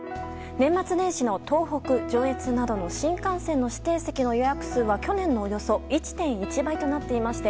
年末年始の東北・上越などの新幹線の指定席の予約数は去年のおよそ１．１倍となっていまして。